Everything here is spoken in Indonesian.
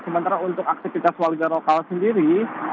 sementara untuk aktivitas warga lokal sendiri